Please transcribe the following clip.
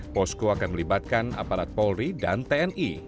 posko akan melibatkan aparat polri dan tni